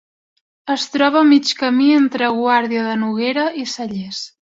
Es troba a mig camí entre Guàrdia de Noguera i Cellers.